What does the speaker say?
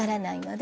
で